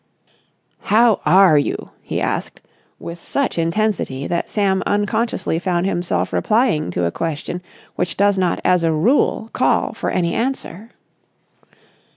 "How are you?" he asked, with such intensity that Sam unconsciously found himself replying to a question which does not as a rule call for any answer.